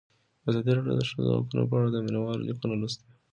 ازادي راډیو د د ښځو حقونه په اړه د مینه والو لیکونه لوستي.